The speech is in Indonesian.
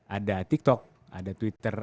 ada tiktok ada twitter